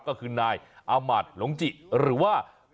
ก็คือนายอามัติหลงจิหรือว่า